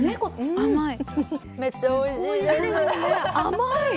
甘い。